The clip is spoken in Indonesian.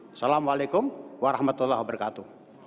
assalamualaikum warahmatullahi wabarakatuh